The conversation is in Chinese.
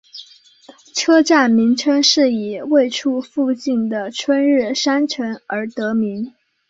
车站名称是以位处附近的春日山城而得名。